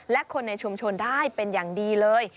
และคนในชุมชนได้เป็นอย่างดีเลย